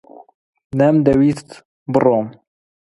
نەمدەویست بڕۆم.